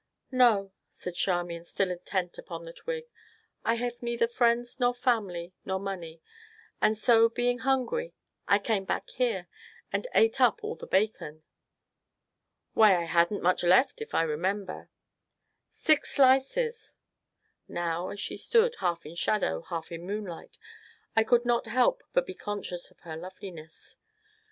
"No," said Charmian, still intent upon the twig, "I have neither friends nor family nor money, and so being hungry I came back here, and ate up all the bacon." "Why, I hadn't left much, if I remember." "Six slices!" Now, as she stood, half in shadow, half in moonlight, I could not help but be conscious of her loveliness.